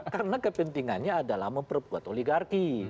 karena kepentingannya adalah memperkuat oligarki